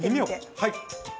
はい。